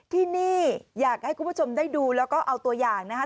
ที่นี่อยากให้คุณผู้ชมได้ดูแล้วก็เอาตัวอย่างนะคะ